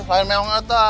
selain meong ngga ada